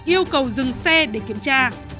yêu cầu dừng xe để kiểm tra